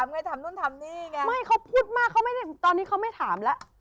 มันจะาธิบายมันต้องคิดว่าหนูไม่มีคำลูก